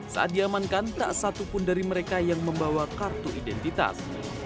saat diamankan tak satu pun dari mereka yang membawa kartu identitas